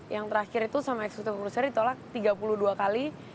yang terakhir itu sama eksekutif pengurusnya ditolak tiga puluh dua kali